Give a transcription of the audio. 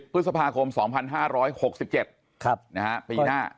พฤษภาคม๒๕๖๗ปีหน้า